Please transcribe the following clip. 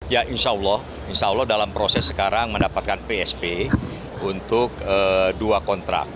ya insya allah insya allah dalam proses sekarang mendapatkan psp untuk dua kontrak